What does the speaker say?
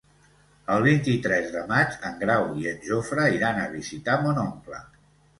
El vint-i-tres de maig en Grau i en Jofre iran a visitar mon oncle.